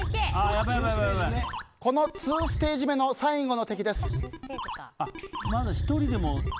この２ステージ目の最後の敵です。